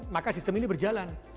maka sistem ini berjalan